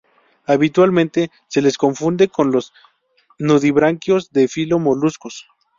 Habitualmente se los confunde con los nudibranquios del filo moluscos.